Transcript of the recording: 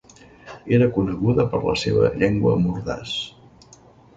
Era coneguda per la seva llengua mordaç.